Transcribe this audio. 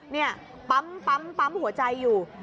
นี่ปั๊มหัวใจอยู่